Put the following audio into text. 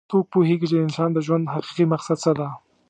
څوک پوهیږي چې د انسان د ژوند حقیقي مقصد څه ده